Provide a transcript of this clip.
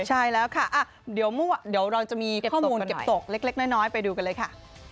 ใช่แล้วค่ะเดี๋ยวเราจะมีข้อมูลเก็บตกเล็กน้อยไปดูกันเลยค่ะ